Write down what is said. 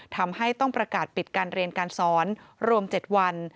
ทำให้ต้องประกาศปิดการเรียนการสอนรวม๗วัน